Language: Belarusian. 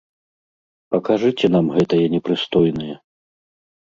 Пакажыце нам гэтае непрыстойнае.